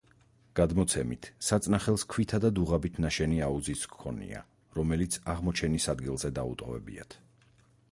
გადმოცემით საწნახელს ქვითა და დუღაბით ნაშენი აუზიც ჰქონია, რომელიც აღმოჩენის ადგილზე დაუტოვებიათ.